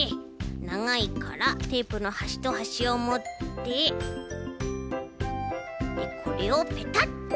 ながいからテープのはしとはしをもってでこれをペタッと。